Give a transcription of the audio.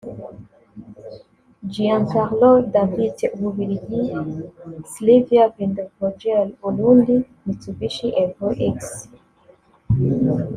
Giancarlo Davite (Ububiligi) & Slyvia Vindevogel (Burundi) – Mitsubishi Evo X